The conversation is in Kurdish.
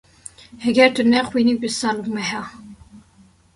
Heger tu nexwînî bi sal û meha.